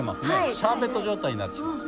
シャーベット状態になってきてます。